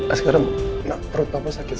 asgara perut papa sakit